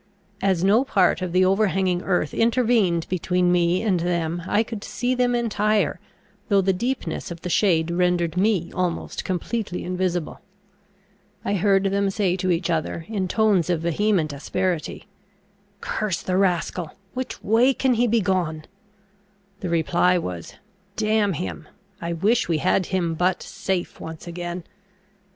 As no part of the overhanging earth intervened between me and them, I could see them entire, though the deepness of the shade rendered me almost completely invisible. I heard them say to each other, in tones of vehement asperity, "Curse the rascal! which way can he be gone?" The reply was, "Damn him! I wish we had him but safe once again!"